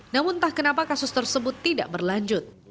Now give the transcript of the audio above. namun entah kenapa kasus tersebut tidak berlanjut